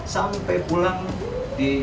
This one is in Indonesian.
sampai pulang di